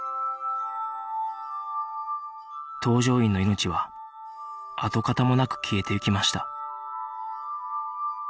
搭乗員の命は跡形もなく消えていきました